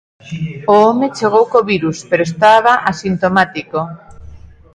O home chegou co virus, pero estaba asintomático.